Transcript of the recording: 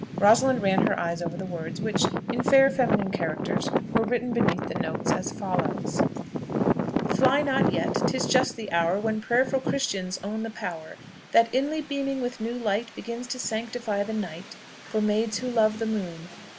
Rosalind ran her eyes over the words, which, in fair feminine characters, were written beneath the notes as follow: Fly not yet! 'Tis just the hour When prayerful Christians own the power That, inly beaming with new light, Begins to sanctify the night For maids who love the moon.